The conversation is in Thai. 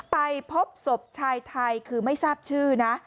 ไปพบศพชายไทยคือไม่ทราบชื่อนะ